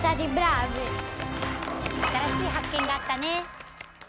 新しい発見があったね。